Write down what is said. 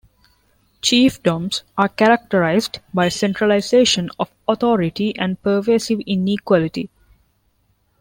Chiefdoms are characterized by centralization of authority and pervasive inequality.